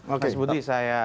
oke sebuti saya